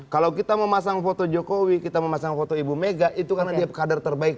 kalau kita memasang foto jokowi kita memasang foto ibu mega itu karena dia kader terbaik